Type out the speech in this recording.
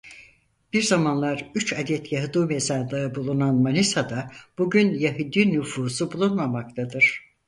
Bir zamanlar üç adet Yahudi mezarlığı bulunan Manisa'da bugün Yahudi nüfusu bulunmamaktadır.